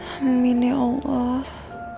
amin ya allah